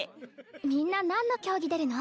みんな何の競技出るの？